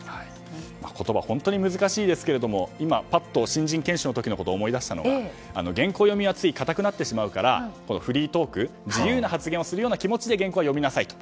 言葉は本当に難しいですけど今ぱっと新人研修の時のことを思い出しましたが原稿読みは硬くなってしまうからフリートークをするような気持ちで原稿は読みなさいと。